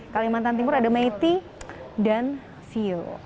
kalimantan timur ada maiti dan sio